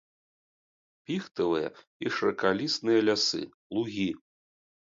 Піхтавыя і шыракалістыя лясы, лугі.